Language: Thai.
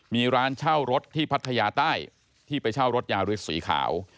มีร้านเช่ารถที่พัทยาใต้ที่ไปเช่ารถยาริสสีขาว